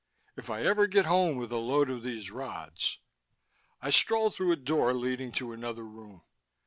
If I ever get home with a load of these rods.... I strolled through a door leading to another room.